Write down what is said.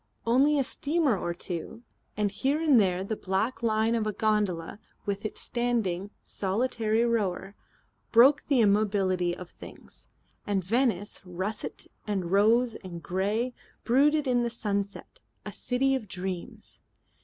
Only a steamer or two, and here and there the black line of a gondola with its standing, solitary rower, broke the immobility of things. And Venice, russet and rose and grey, brooded in the sunset, a city of dreams.